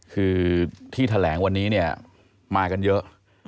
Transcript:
คือที่แถลงวันนี้เนี่ยมากันเยอะ